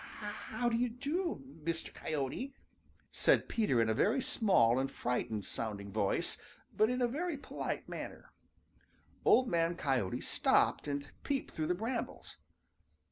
"How do you do, Mr. Coyote?" said Peter in a very small and frightened sounding voice, but in a very polite manner. Old Man Coyote stopped and peeped through the brambles.